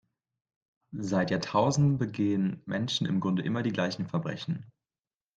Seit Jahrtausenden begehen Menschen im Grunde immer die gleichen Verbrechen.